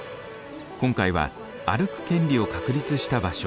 今回は歩く権利を確立した場所